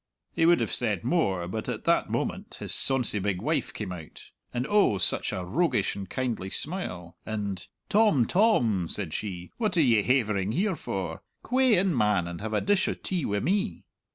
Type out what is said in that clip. He would have said more, but at that moment his sonsy big wife came out, with oh, such a roguish and kindly smile, and, "Tom, Tom," said she, "what are ye havering here for? C'way in, man, and have a dish o' tea wi' me!"